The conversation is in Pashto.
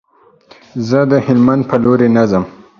زه د هلمند په لوري نه ځم.